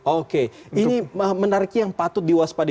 oke ini menarik yang patut diwaspadai